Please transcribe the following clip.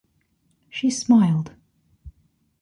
She smiled.